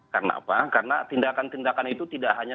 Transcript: karena tindakan tindakan itu tidak hanya